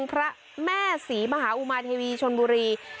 พระแม่ศรีมหาอุมาเทวีชนบุรี